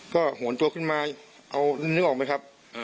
ก็หวนตัวขึ้นมาเอานึกออกไหมครับ